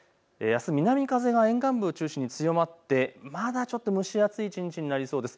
あす、南風が沿岸部を中心に強まって、まだちょっと蒸し暑い一日になりそうです。